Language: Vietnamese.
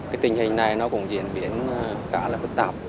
cái tình hình này nó cũng diễn biến khá là phức tạp